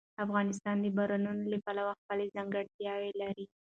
افغانستان د بارانونو له پلوه خپله ځانګړتیا لري.